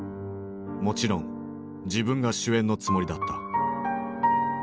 もちろん自分が主演のつもりだった。